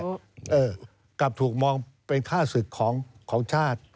และสื่อไทยกลับถูกมองเป็นค่าศึกของชาติ